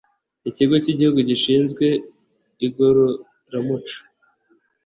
Ikigo cy’Igihugu gishinzwe Igororamuco